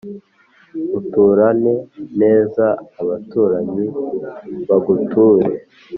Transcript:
uturane neza abaturanyi baguture